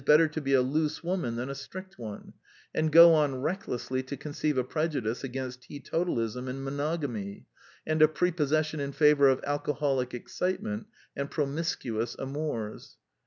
The Lesson of the Plays 195 woman than a strict one, and go on recklessly to conceive a prejudice against teetotalism and monogamy, and a prepossession iri favor of alcoholic excitement and promiscuous amours.